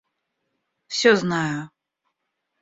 Всё знаю.